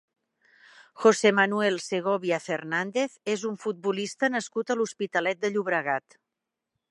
José Manuel Segovia Fernández és un futbolista nascut a l'Hospitalet de Llobregat.